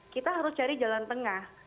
kita harus cari jalan tengah